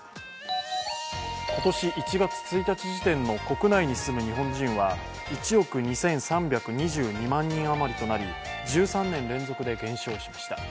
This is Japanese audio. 今年１月１日時点の国内に住む日本人は１億２３２２万人余りとなり、１３年連続で減少しました。